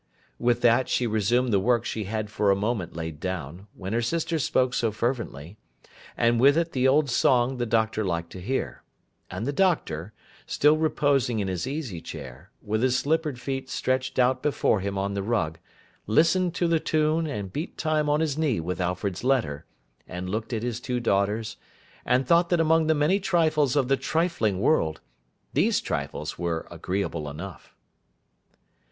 With that, she resumed the work she had for a moment laid down, when her sister spoke so fervently: and with it the old song the Doctor liked to hear. And the Doctor, still reposing in his easy chair, with his slippered feet stretched out before him on the rug, listened to the tune, and beat time on his knee with Alfred's letter, and looked at his two daughters, and thought that among the many trifles of the trifling world, these trifles were agreeable enough.